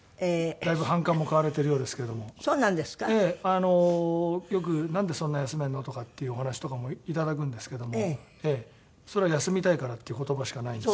あのよくなんでそんなに休めるの？とかっていうお話とかもいただくんですけどもそりゃ休みたいからっていう言葉しかないんですけど。